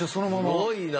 すごいな！